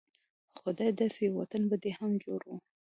خدايه داسې يو وطن به دې هم جوړ و